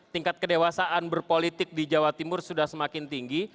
tingkat kedewasaan berpolitik di jawa timur sudah semakin tinggi